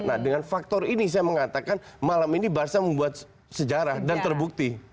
nah dengan faktor ini saya mengatakan malam ini barca membuat sejarah dan terbukti